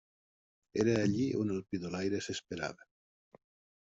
Era allí on el pidolaire s'esperava.